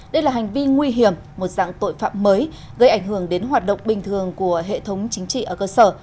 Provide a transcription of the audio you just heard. đây là hành vi nguy hiểm một dạng tội phạm mới gây ảnh hưởng đến hoạt động bình thường của hệ thống chính trị ở cơ sở